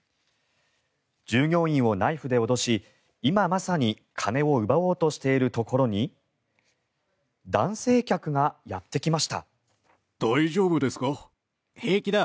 従業員をナイフで脅し今まさに金を奪おうとしているところに男性客がやってきました。